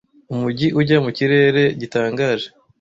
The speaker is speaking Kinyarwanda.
Umujyi ujya mu kirere gitangaje.